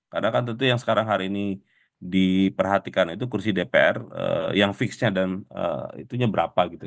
karena kan tentu yang sekarang hari ini diperhatikan itu kursi dpr yang fixnya dan itunya berapa gitu